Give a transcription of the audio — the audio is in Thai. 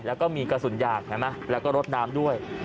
แล้วก็มีกระสุนยางเห็นไหมแล้วก็รถน้ำด้วย